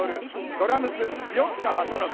ドラムス、塩塚正信。